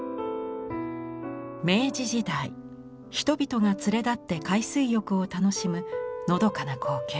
明治時代人々が連れ立って海水浴を楽しむのどかな光景。